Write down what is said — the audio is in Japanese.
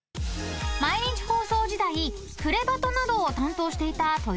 ［毎日放送時代『プレバト‼』などを担当していた豊崎アナ］